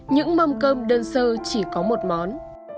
những mâm cơm đơn sơ chỉ có một món